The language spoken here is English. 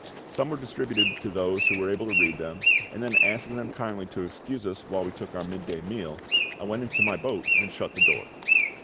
Some were distributed to those who were able to read them; and then asking them kindly to excuse us while we took our midday meal, I went into my boat and shut the door.